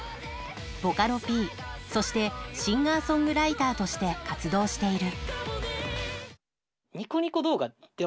ボカロＰ、そしてシンガーソングライターとして活動している。